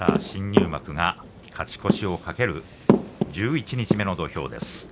新入幕が勝ち越しを懸ける十一日目の土俵です。